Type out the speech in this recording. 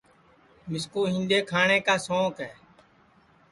مِسکُو ہِنڈؔے کھاٹؔیں سونٚک ہے